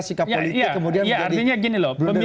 sikap politik kemudian menjadi blunder politik